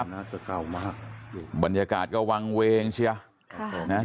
บรรยากาศก็เก่ามากบรรยากาศก็วางเวงใช่ไหมครับ